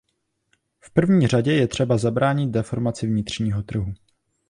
V první řadě je třeba zabránit deformaci vnitřního trhu.